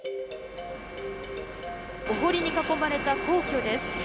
お堀に囲まれた皇居です。